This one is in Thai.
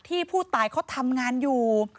ผู้ตายเขาทำงานอยู่